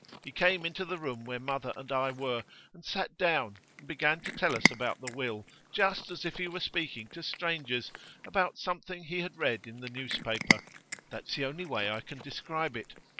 He came into the room where mother and I were, and sat down, and began to tell us about the will just as if he were speaking to strangers about something he had read in the newspaper that's the only way I can describe it.